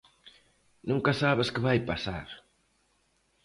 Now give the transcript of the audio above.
Nunca sabes que vai pasar.